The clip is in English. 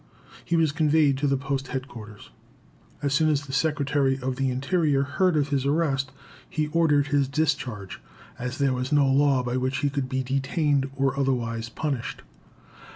He was conveyed to the post headquarters. As soon as the Secretary of the Interior heard of his arrest, he ordered his discharge, as there was no law by which he could be detained or otherwise punished.